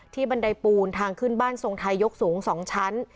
บันไดปูนทางขึ้นบ้านทรงไทยยกสูง๒ชั้น